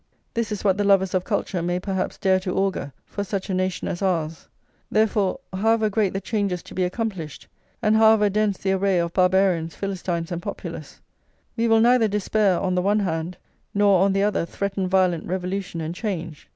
This is what the lovers of culture may perhaps dare to augur for such a nation as ours. Therefore, however great the changes to be accomplished, and however dense the array of Barbarians, Philistines, and Populace, we will neither despair on the one hand, nor, on the other, threaten violent revolution and change.